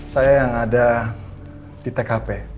saya yang ada di tkp